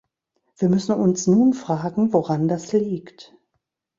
Wir müssen uns nun fragen, woran das liegt.